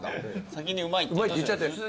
先にうまいって。